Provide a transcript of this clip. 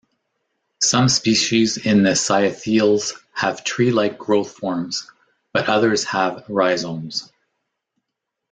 Some species in the Cyatheales have tree-like growth forms, but others have rhizomes.